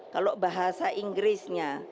kalau bahasa inggrisnya